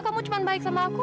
kamu cuma baik sama aku